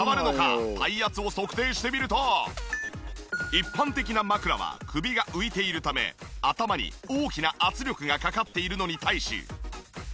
一般的な枕は首が浮いているため頭に大きな圧力がかかっているのに対し。